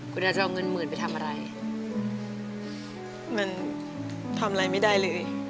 คุณอาจจะเอาเงินหมื่นไปทำอะไรมันทำอะไรไม่ได้เลย